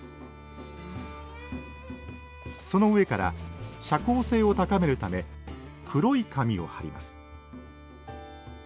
その上から遮光性を高めるため黒い紙を貼ります